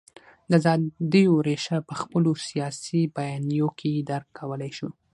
د ازادیو رېښه په خپلو سیاسي بیانیو کې درک کولای شو.